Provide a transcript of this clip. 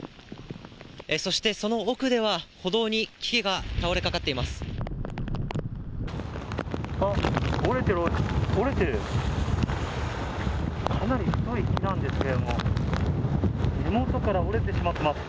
そしてその奥では、歩道に木が倒れかかっています。